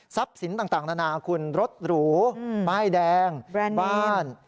ทรัพย์สินต่างนานาคุณรถหรูไม้แดงบ้าน